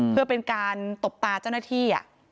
เพื่อเป็นการตบตาเจ้าหน้าที่